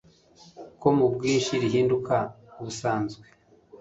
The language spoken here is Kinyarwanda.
ko mu bwinshi rihinduka ubusanzwe